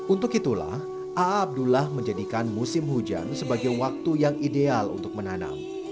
untuk itulah a abdullah menjadikan musim hujan sebagai waktu yang ideal untuk menanam